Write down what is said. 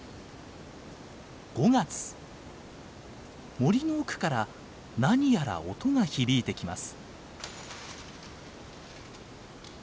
森の奥から何やら音が響いてきます。